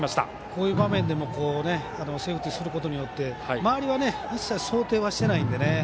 こういう場面でもセーフティーすることによって周りは一切想定していないんでね。